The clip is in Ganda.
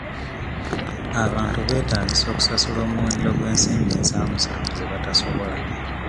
Abantu betaagisa okusasula omuwendo gw'ensimbi ensaamusaamu ze batasobola.